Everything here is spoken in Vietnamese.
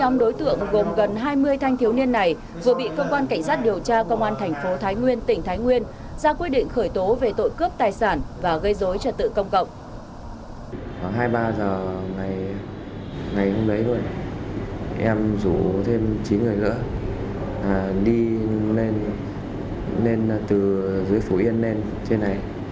ngày hôm đấy thôi em rủ thêm chín người nữa đi lên từ dưới phủ yên lên trên này